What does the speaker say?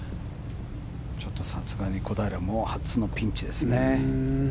ちょっとさすがに小平も初のピンチですね。